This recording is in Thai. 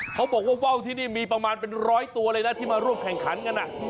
เขาบอกว่าว่าวที่นี่มีประมาณเป็นร้อยตัวเลยนะที่มาร่วมแข่งขันกัน